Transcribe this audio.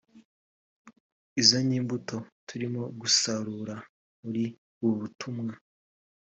izo ni imbuto turimo gusarura muri ubu butumwa